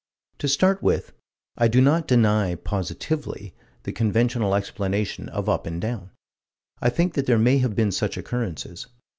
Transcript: To start with I do not deny positively the conventional explanation of "up and down." I think that there may have been such occurrences.